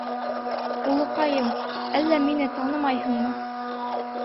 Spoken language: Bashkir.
— Улыҡайым, әллә мине танымайһыңмы?